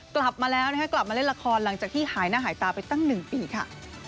กลับมาแล้วนะคะกลับมาเล่นละครหลังจากที่หายหน้าหายตาไปตั้ง๑ปีค่ะ